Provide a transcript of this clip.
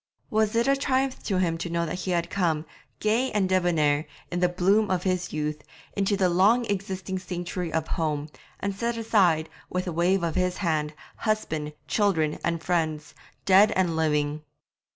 Was it a triumph to him to know that he had come, gay and debonair, in the bloom of his youth, into this long existing sanctuary of home, and set aside, with a wave of his hand, husband, children, and friends, dead and living?